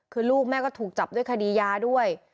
คือลูกแม่ก็ถูกจับด้วยคดียาด้วย